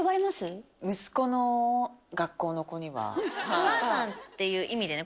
お母さんっていう意味でね